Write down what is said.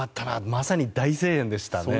まさに大声援でしたね。